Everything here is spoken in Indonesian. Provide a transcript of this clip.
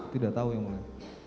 tidak tahu ya muridnya